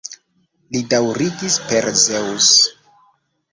Li daŭrigis: Per Zeŭs!